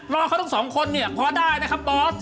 รอเขาทั้งสองคนเนี่ยพอได้นะครับบอส